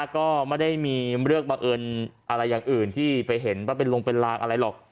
ก็ไม่ได้มีเรื่องบังเอิญอะไรอย่างอื่นที่ไปเห็นว่าเป็นลงเป็นลางอะไรหรอก